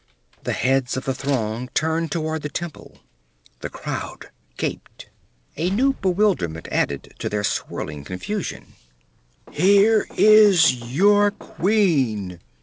The heads of the throng turned toward the temple; the crowd gaped, a new bewilderment added to their swirling confusion. 'Here is your queen!'